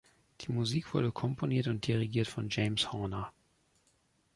Die Musik wurde komponiert und dirigiert von James Horner.